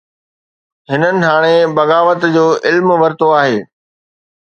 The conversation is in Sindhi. هنن هاڻي بغاوت جو علم ورتو آهي.